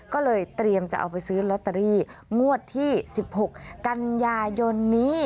ก็เลยเตรียมจะเอาไปซื้อลอตเตอรี่งวดที่๑๖กันยายนนี้